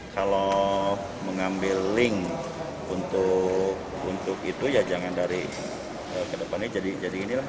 kalau mengambil link untuk itu ya jangan dari ke depannya jadi ini lah